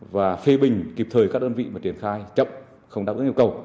và phê bình kịp thời các đơn vị mà triển khai chậm không đáp ứng yêu cầu